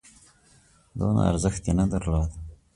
دونه ارزښت یې نه درلود.